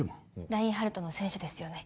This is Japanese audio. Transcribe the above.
ラインハルトの選手ですよね